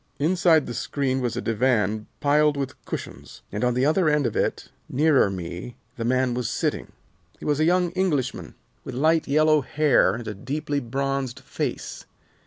Inside the screen was a divan piled with cushions, and on the end of it nearer me the man was sitting. He was a young Englishman with light yellow hair and a deeply bronzed face.